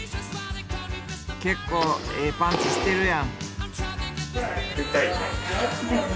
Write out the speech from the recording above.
結構ええパンチしてるやん。